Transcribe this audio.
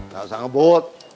gak usah ngebut